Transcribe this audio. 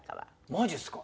マジっすか！